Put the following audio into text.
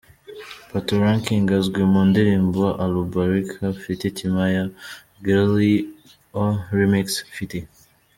Patoranking azwi mu ndirimbo ‘Alubarika ft Timaya’, ‘Girlie ’O’ Remix ft.